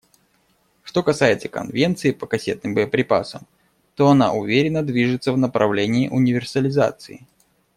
Что касается Конвенции по кассетным боеприпасам, то она уверенно движется в направлении универсализации.